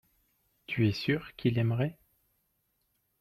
tu es sûr qu'il aimerait.